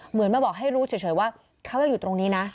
เหมือนมาบอกให้รู้เฉยว่าเขายังอยู่ตรงนี้นะ